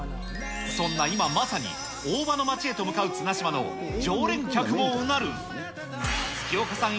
そんな今、まさに大葉の町へと向かう綱島の常連客もうなる、月岡さん